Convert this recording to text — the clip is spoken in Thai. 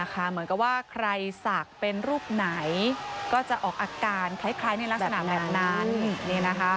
เหมือนกับว่าใครศักดิ์เป็นรูปไหนก็จะออกอาการคล้ายในลักษณะแบบนั้น